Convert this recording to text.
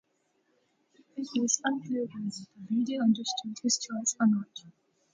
It is unclear whether the lady understood his choice or not.